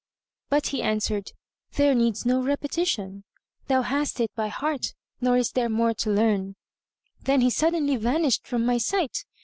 But he answered, "There needs no repetition; thou hast it by heart nor is there more to learn." Then he suddenly vanished from my sight.